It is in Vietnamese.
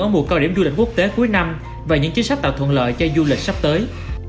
ở mùa cao điểm du lịch quốc tế cuối năm và những chính sách tạo thuận lợi cho du lịch sắp tới